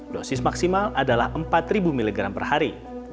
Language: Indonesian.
dosis maksimal adalah empat mg per hari